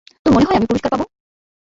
তোর মনে হয় আমি পুরস্কার পাব?